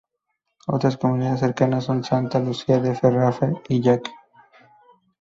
Otras comunidades cercanas son Santa Lucía de Ferreñafe y Yaque.